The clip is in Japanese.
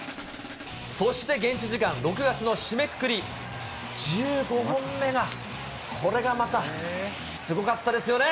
そして現地時間、６月の締めくくり、１５本目が、これがまた、すごかったですよね。